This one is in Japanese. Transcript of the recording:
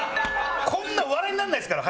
こんなの笑いにならないですから。